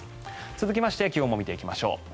続きまして気温も見ていきましょう。